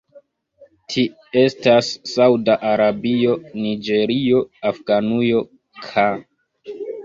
Ti estas Sauda Arabio, Niĝerio, Afganujo ka.